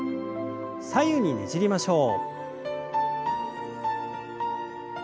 左右にねじりましょう。